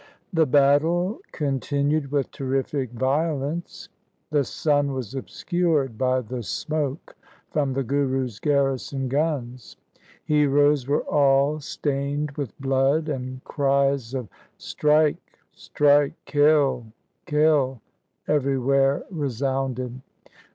The battle continued with terrific violence. The sun was obscured by the smoke from the Guru's garrison guns. Heroes were all stained with blood, and cries of ' Strike, strike !'' Kill, kill !' every where resounded.